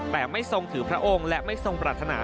แต่ไม่ทรงถือพระองค์และไม่ทรงปรารถนา